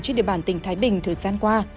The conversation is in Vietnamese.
trên địa bàn tỉnh thái bình thời gian qua